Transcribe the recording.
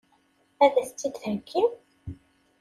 Ad as-tt-id-theggim?